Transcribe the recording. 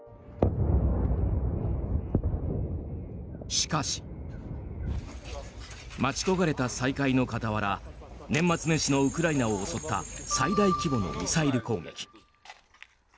しかし待ち焦がれた再会の傍ら年末年始のウクライナを襲った最大規模のミサイル攻撃。